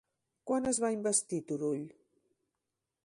Quan es va investir Turull?